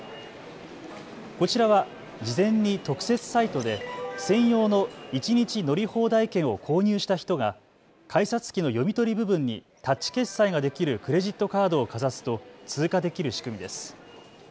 こちらは事前に特設サイトで専用の１日乗り放題券を購入した人が改札機の読み取り部分にタッチ決済ができるクレジットカードをかざすと通過できる仕組みです。